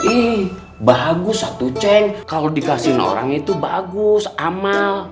ih bagus satu ceng kalau dikasih orang itu bagus amal